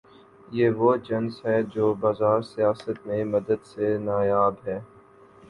یہ وہ جنس ہے جو بازار سیاست میں مدت سے نایاب ہے۔